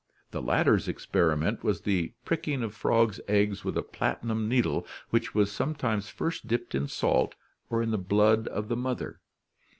The latter's experiment was the pricking of frogs' eggs with a platinum needle, which was sometimes first dipped in salt or in the blood of the mother.